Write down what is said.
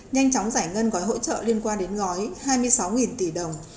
nhanh chóng giải ngân gói hỗ trợ liên quan đến gói hai mươi sáu tỷ đồng